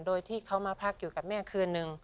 โดยที่เขามาพักอยู่กับแม่คืนนึง